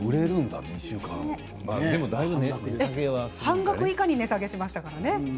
半額以下に値下げしましたからね。